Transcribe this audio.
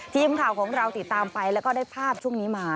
ทีมข่าวของเราติดตามไปแล้วก็ได้ภาพช่วงนี้มา